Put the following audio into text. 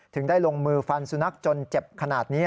ถึงได้ลงมือฟันสุนัขจนเจ็บขนาดนี้